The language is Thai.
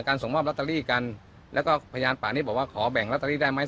ส่งมอบลอตเตอรี่กันแล้วก็พยานป่านี้บอกว่าขอแบ่งลอตเตอรี่ได้ไหม